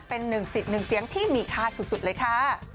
เป็นหนึ่งสิทธิ์หนึ่งเสียงที่มีค่าสุดเลยค่ะ